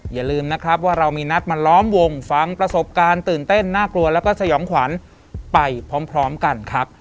อย่าลืมนะครับว่าเรามีนัดมาล้อมวงฟังประสบการณ์ตื่นเต้นน่ากลัวแล้วก็สยองขวัญไปพร้อมกันครับ